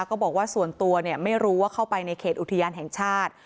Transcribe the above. ก็บอกว่าส่วนตัวไม่รู้ว่าเข้าไปในเขตอุทยานแห่งชาติ